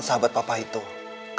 ya allah bapak